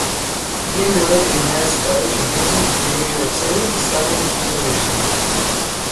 He enrolled in Mannes College of Music in New York City, studying composition.